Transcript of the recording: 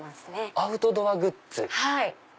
アウトドアグッズ。